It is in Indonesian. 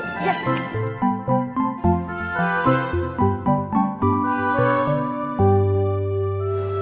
terima kasih mas gunawan